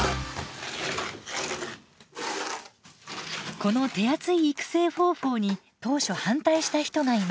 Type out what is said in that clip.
この手厚い育成方法に当初反対した人がいます。